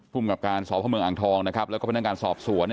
ภูมิกับการสพเมืองอ่างทองนะครับแล้วก็เป็นการสอบสวน